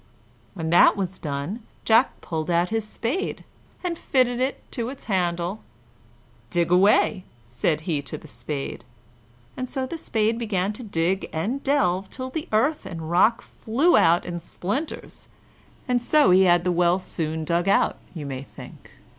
When that was done, Jack pulled out his spade, and fitted it to its handle. "Dig away!" said he to the spade; and so the spade began to dig and delve till the earth and rock flew out in splinters, and so he had the well soon dug out, you may think.